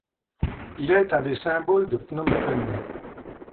Il est un des symboles de Phnom Penh.